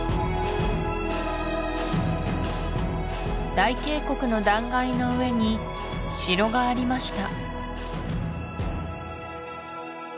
大渓谷の断崖の上に城がありました